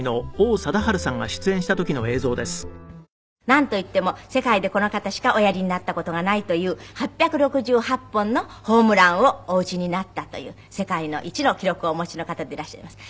なんといっても世界でこの方しかおやりになった事がないという８６８本のホームランをお打ちになったという世界一の記録をお持ちの方でいらっしゃいます。